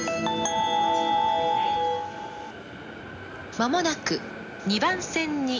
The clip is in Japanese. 「まもなく２番線に」。